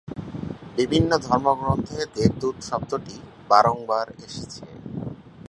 বিভিন্ন ধর্মগ্রন্থে দেব-দূত শব্দটি বারংবার এসেছে।